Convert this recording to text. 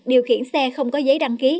điều khiển xe không có giấy đăng ký